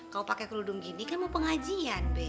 kalo pake keludung gini kan mau pengajian be